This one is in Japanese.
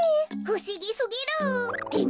ふしぎすぎる！って